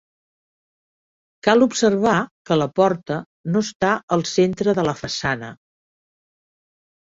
Cal observar que la porta no està al centre de la façana.